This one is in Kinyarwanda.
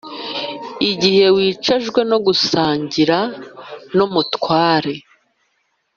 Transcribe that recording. igihe wicajwe no gusangira n’umutware